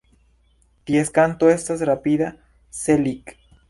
Ties kanto estas rapida "se-lik".